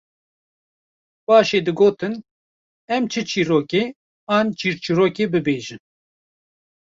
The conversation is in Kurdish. paşê digotin: Em çi çîrokê an çîrçîrokê bibêjin